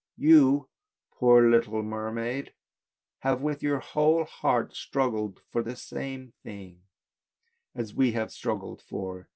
You, poor little mermaid, have with your whole heart struggled for the same thing, as we have struggled for.